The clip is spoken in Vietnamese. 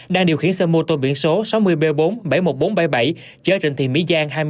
đang điều khiển xe mô tô biển số sáu mươi b bốn trăm bảy mươi một nghìn bốn trăm bảy mươi bảy chơi trên thị mỹ giang